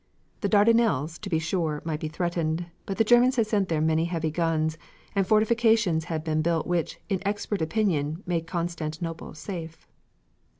The Dardanelles, to be sure, might be threatened but the Germans had sent there many heavy guns and fortifications had been built which, in expert opinion, made Constantinople safe.